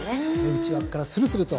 内枠からするすると。